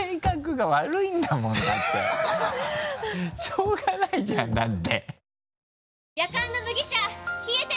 しょうがないじゃんだって。